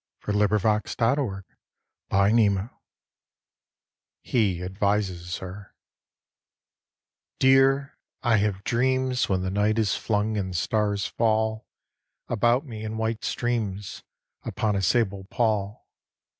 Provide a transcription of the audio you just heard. IN THE NET OF THE STARS He advises Her DEAR, I have dreams When the night is flung and the stars fall About me in white streams Upon a sable pall.